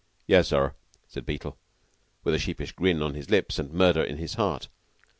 "Yes, sir," said Beetle, with a sheepish grin on his lips and murder in his heart.